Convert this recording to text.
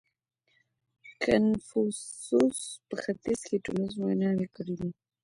کنفوسوس په ختیځ کي ټولنیزې ویناوې کړې دي.